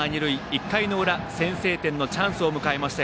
１回の裏先制点のチャンスを迎えました。